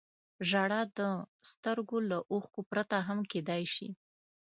• ژړا د سترګو له اوښکو پرته هم کېدای شي.